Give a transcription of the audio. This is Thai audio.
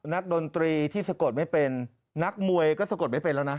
ดนตรีที่สะกดไม่เป็นนักมวยก็สะกดไม่เป็นแล้วนะ